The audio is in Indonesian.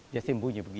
dia sembunyi begitu